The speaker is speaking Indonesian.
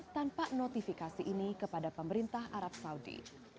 tanpa notifikasi ini kepada pemerintah arab saudi